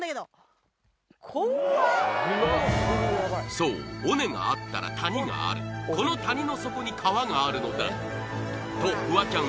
そう尾根があったら谷があるこの谷の底に川があるのだとフワちゃん